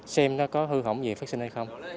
xem nó có hư hỏng gì phát sinh hay không